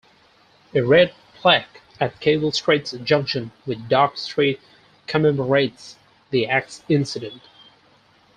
A red plaque at Cable Street's junction with Dock Street commemorates the incident.